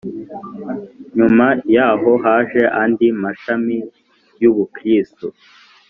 nyuma y'aho haje andi mashami y'ubukristu.